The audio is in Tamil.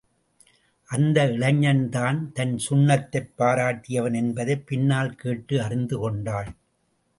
அந்த இளைஞன்தான் தன் சுண்ணத்தைப் பாராட்டியவன் என்பதைப் பின்னால் கேட்டு அறிந்து கொண்டாள்.